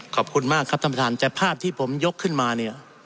ขอบคุณมากครับท่านประธานแต่ภาพที่ผมยกขึ้นมาเนี่ย